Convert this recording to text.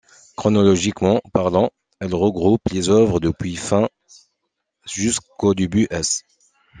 Chronologiquement parlant, elle regroupe les œuvres depuis fin s. jusque début s.